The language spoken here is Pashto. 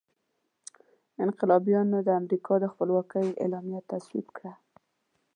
انقلابیانو د امریکا د خپلواکۍ اعلامیه تصویب کړه.